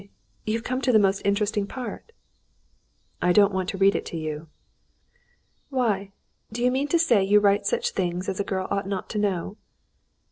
You've come to the most interesting part." "I don't want to read it to you." "Why? Do you mean to say you write such things as a girl ought not to know?"